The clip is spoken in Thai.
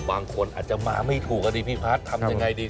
บางคนอาจจะมาไม่ถูกอ่ะดิพี่พัททำอย่างไรดิ